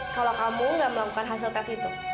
kalau kamu nggak melakukan hasil tes itu